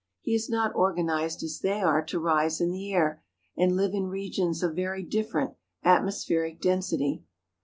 He is not organised as they are to rise in the air and live in regions of very different atmospheric density.